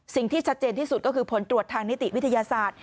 สิ่งที่ชัดเจนที่สุดก็คือผลตรวจทางนิติวิทยาศาสตร์